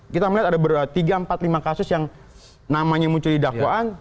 kita melihat ada tiga empat lima kasus yang namanya muncul di dakwaan